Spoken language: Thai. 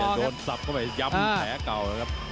ที่จะโดนสับเข้าไปยำแถ่เก่านะครับ